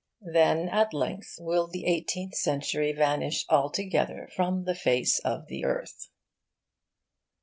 Then at length will the Eighteenth Century vanish altogether from the face of the earth.